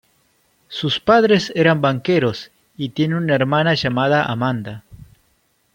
Sus padres eran banqueros y tiene una hermana llamada Amanda.